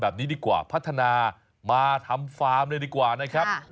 แบบนี้ดีกว่าพัฒนามาทำฟาร์มเลยดีกว่านะครับ